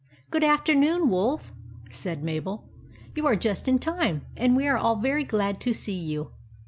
" Good afternoon, Wolf," said Mabel. u You are just in time, and we are all very glad to see you.